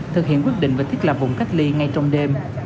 thực hiện quyết định và thiết lập vùng cách ly ngay trong đêm